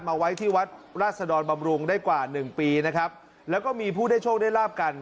ไว้ที่วัดราชดรบำรุงได้กว่าหนึ่งปีนะครับแล้วก็มีผู้ได้โชคได้ลาบกัน